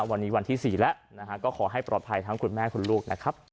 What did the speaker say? วันนี้วันที่๔แล้วก็ขอให้ปลอดภัยทั้งคุณแม่คุณลูกนะครับ